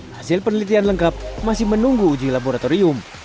hasil penelitian lengkap masih menunggu uji laboratorium